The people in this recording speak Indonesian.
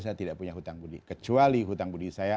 saya tidak punya hutang budi kecuali hutang budi saya